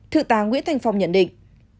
thượng tá nguyễn thanh phong nhận định